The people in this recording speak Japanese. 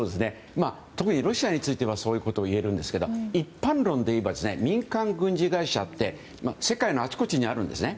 特にロシアについてはそういうことをいえるんですが一般論でいえば民間軍事会社って世界のあちこちにあるんですね。